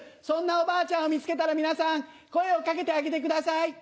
そんなおばあちゃんを見つけたら皆さん声を掛けてあげてください！